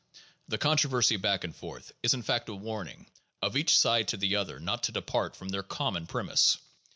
The controversy back and forth is in fact a warning of each side to the other not to depart from their common premise.